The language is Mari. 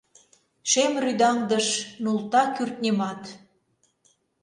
Шем рӱдаҥдыш нулта кӱртньымат.